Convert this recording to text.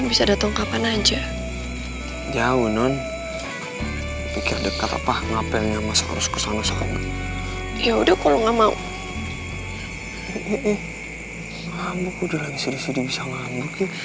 ih mabuk udah langsung sudah bisa mabuk ya